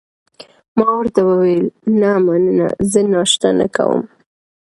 ما ورته وویل: نه، مننه، زه ناشته نه کوم.